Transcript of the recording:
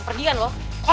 pergi kan lo